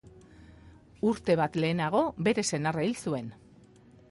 Urte bat lehenago bere senarra hil zuen.